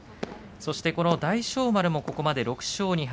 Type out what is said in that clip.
そして大翔丸もここまで６勝２敗。